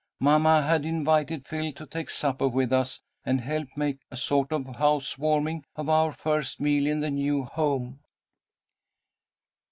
Mamma had invited Phil to take supper with us, and help make a sort of house warming of our first meal in the new home.